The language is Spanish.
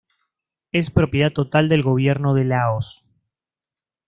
Es propiedad total del gobierno de Laos.